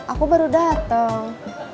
aku baru dateng